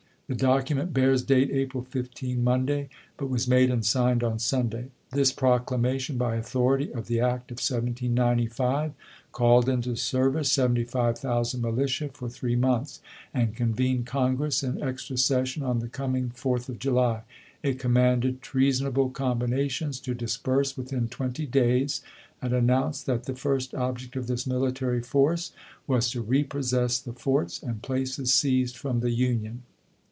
The document bears date April 15 (Monday), but was made and signed on Sunday. This proc lamation, by authority of the Act of 1795, called into service seventy five thousand militia for three months, and convened Congress in extra session on the coming 4th of July. It commanded trea sonable combinations to disperse within twenty days, and announced that the first object of this military force was to repossess the forts and places seized from the Union.